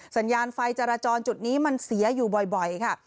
สัญญาณไฟจราจรจุดนี้มันเสียอยู่บ่อยค่ะ